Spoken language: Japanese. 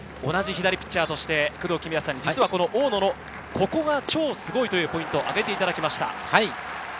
同じ左ピッチャーとして工藤公康さん、大野のココが超スゴいというポイントを挙げていただきました。